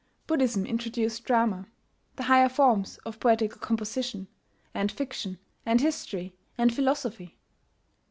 Buddhism introduced drama, the higher forms of poetical composition, and fiction, and history, and philosophy.